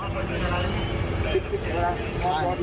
คิดจริงแม่ครับ